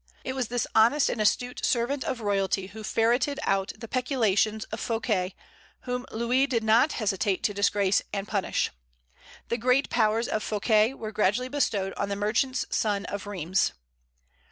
It was this honest and astute servant of royalty who ferreted out the peculations of Fouquet, whom Louis did not hesitate to disgrace and punish. The great powers of Fouquet were gradually bestowed on the merchant's son of Rheims.